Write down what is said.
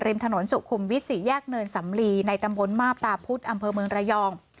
ถนนสุขุมวิทย์๔แยกเนินสำลีในตำบลมาบตาพุธอำเภอเมืองระยอง